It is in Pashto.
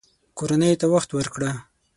کورنۍ ته وخت ورکړه